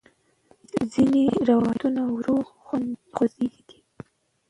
ځینې روباټونه ورو خوځېږي.